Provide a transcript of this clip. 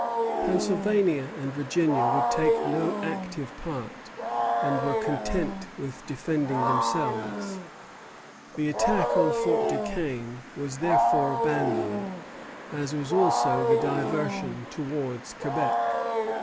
Pennsylvania and Virginia would take no active part, and were content with defending themselves. The attack on Fort Duquesne was therefore abandoned, as was also the diversion towards Quebec.